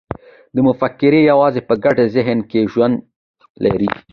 دا مفکورې یوازې په ګډ ذهن کې ژوند لري.